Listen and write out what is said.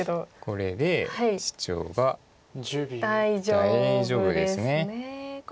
これでシチョウが大丈夫です。